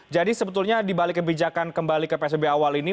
jadi sebetulnya di balik kebijakan kembali ke psbb awal ini